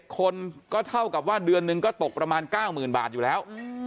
คนก็เท่ากับว่าเดือนหนึ่งก็ตกประมาณ๙๐๐บาทอยู่แล้ว